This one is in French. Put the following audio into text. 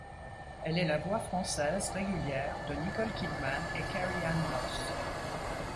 Elle est la voix française régulière de Nicole Kidman et Carrie-Anne Moss.